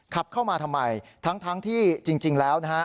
ขับเข้ามาทำไมทั้งที่จริงแล้วนะฮะ